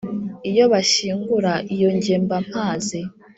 iyo bashyingura iyo ge mba mpazi,